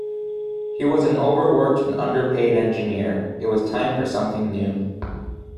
He was an over-worked and underpaid Engineer, it was time for something new.